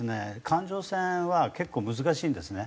環状線は結構難しいんですね。